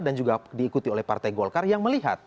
dan juga diikuti oleh partai golkar yang melihat